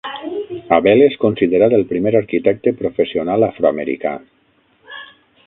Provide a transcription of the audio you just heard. Abele és considerat el primer arquitecte professional afroamericà.